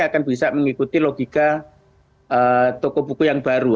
akan bisa mengikuti logika toko buku yang baru